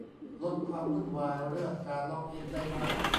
ลดความวุ่นวายเรื่องการล็อกอินได้มาก